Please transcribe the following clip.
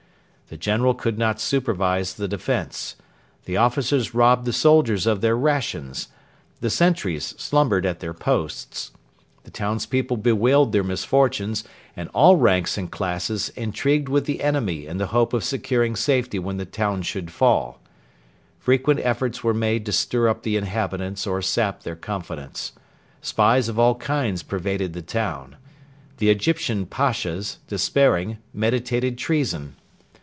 The General could not supervise the defence. The officers robbed the soldiers of their rations. The sentries slumbered at their posts. The townspeople bewailed their misfortunes, and all ranks and classes intrigued with the enemy in the hope of securing safety when the town should fall. Frequent efforts were made to stir up the inhabitants or sap their confidence. Spies of all kinds pervaded the town. The Egyptian Pashas, despairing, meditated treason.